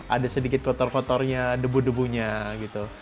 ada sedikit kotor kotornya debu debunya gitu